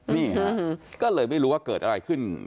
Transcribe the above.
นี่ฮะก็เลยไม่รู้ว่าเกิดอะไรขึ้น